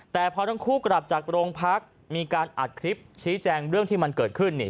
แต่พอทั้งคู่กลับจากโรงพักมีการอัดคลิปชี้แจงเรื่องที่มันเกิดขึ้น